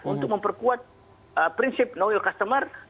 untuk memperkuat prinsip no ill customer